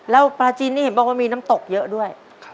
แล้วปลาจินนี่เห็นบอกว่ามีน้ำตกเยอะด้วย